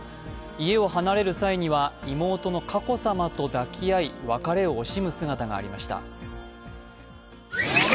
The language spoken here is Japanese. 家を離れる際には妹の佳子さまと抱き合い別れを惜しむ姿がありました。